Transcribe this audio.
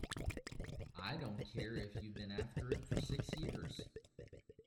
I don't care if you've been after it for six years!